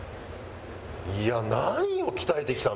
いや何を鍛えてきたんだろ？